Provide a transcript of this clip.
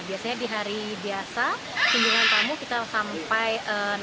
biasanya di hari biasa kunjungan tamu kita sampai